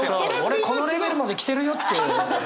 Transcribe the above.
俺このレベルまでキテるよって。